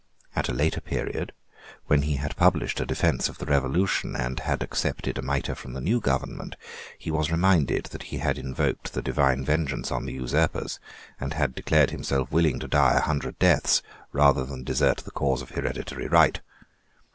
At a later period, when he had published a defence of the Revolution, and had accepted a mitre from the new government, he was reminded that he had invoked the divine vengeance on the usurpers, and had declared himself willing to die a hundred deaths rather than desert the cause of hereditary right.